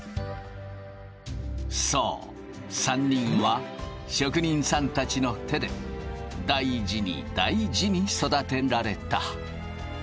そう３人は職人さんたちの手で大事に大事に育てられた。